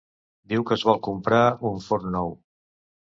Diu que es vol comprar un forn nou.